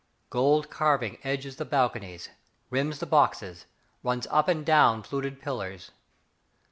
Gold carving edges the balconies, Rims the boxes, Runs up and down fluted pillars.